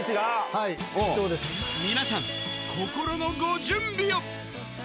はい、皆さん、心のご準備を。